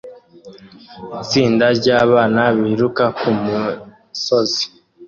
Itsinda ryabana biruka kumusozi